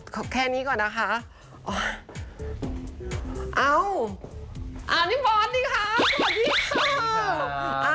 แค่นี้ก่อนนะคะเอาอ่าพี่บอสดีค่ะสวัสดีค่ะ